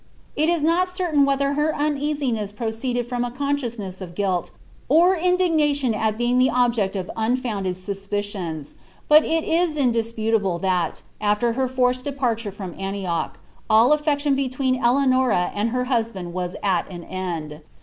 It ia not certain whether hu uneasiness proceeded from a eoneeiousnees of guilt, or indigiialiuD ■( being the object of unfounded suspicions ; but it is indisputable that, , after her forced departure from Aniiorh, all afirciion between Elnnnn and her husband was at an end.